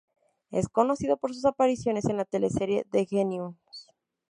Es conocido por sus apariciones en la teleserie "The Genius".